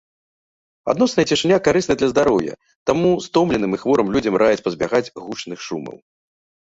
Адносная цішыня карысная для здароўя, таму стомленым і хворым людзям раяць пазбягаць гучных шумаў.